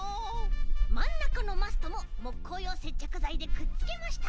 まんなかのマストももっこうようせっちゃくざいでくっつけました。